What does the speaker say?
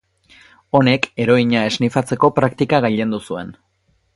Honek heroina esnifatzeko praktika gailendu zuen.